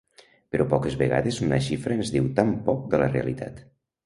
Però poques vegades una xifra ens diu tan poc de la realitat.